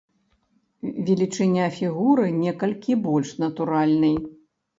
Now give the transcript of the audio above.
Велічыня фігуры некалькі больш натуральнай.